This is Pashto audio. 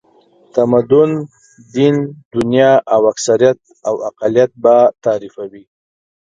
تمدن، دین، دنیا او اکثریت او اقلیت به تعریفوي.